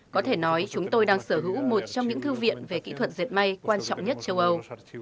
có thể nói chúng tôi đang sở hữu một trong những thư viện về kỹ thuật dệt may quan trọng nhất châu âu